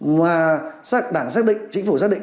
mà đảng xác định chính phủ xác định